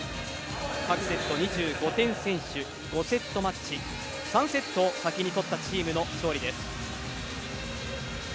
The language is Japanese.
各セット、２５点先取５セットマッチ３セットを先に取ったチームの勝利です。